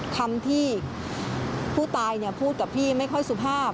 คำที่ผู้ตายพูดกับพี่ไม่ค่อยสุภาพ